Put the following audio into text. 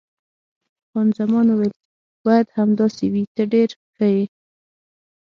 خان زمان وویل: باید همداسې وي، ته ډېر ښه یې.